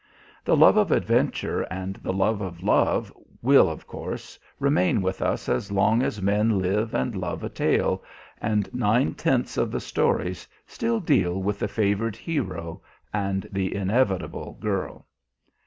The love of adventure and the love of love will, of course, remain with us as long as men live and love a tale, and nine tenths of the stories still deal with the favored hero and the inevitable girl.